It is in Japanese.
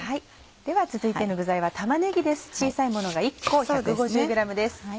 では続いての具材は玉ねぎです小さいものが１個１５０ｇです。